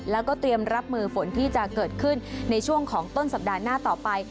แล้วก็เตรียมรับมือฝนที่จะเกิดขึ้นในช่วงของต้นสัปดาห์หน้าต่อไป